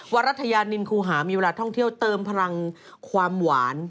รัฐยานินคูหามีเวลาท่องเที่ยวเติมพลังความหวาน